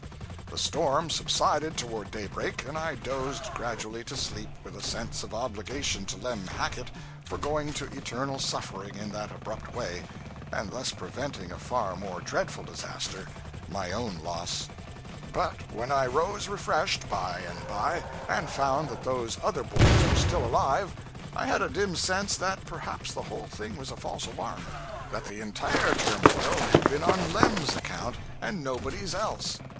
The storm subsided toward daybreak, and I dozed gradually to sleep with a sense of obligation to Lem Hackett for going to eternal suffering in that abrupt way, and thus preventing a far more dreadful disaster my own loss. But when I rose refreshed, by and by, and found that those other boys were still alive, I had a dim sense that perhaps the whole thing was a false alarm; that the entire turmoil had been on Lem's account and nobody's else.